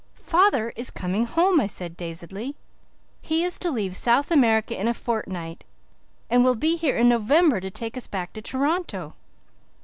"Father is coming home," I said dazedly. "He is to leave South America in a fortnight and will be here in November to take us back to Toronto."